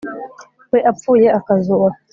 we wapfuye akazuka